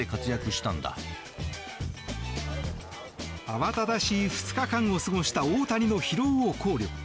慌ただしい２日間を過ごした大谷の疲労を考慮。